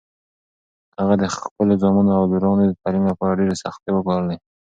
هغه د خپلو زامنو او لورانو د تعلیم لپاره ډېرې سختۍ وګاللې.